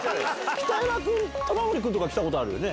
北山君玉森君は来たことあるね。